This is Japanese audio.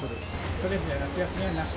とりあえず夏休みはなし？